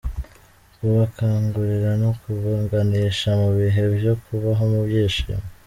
Kubakangurira no kubaganisha mu bihe byo kubaho mu byishimo.